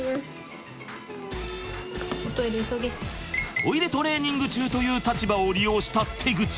トイレトレーニング中という立場を利用した手口！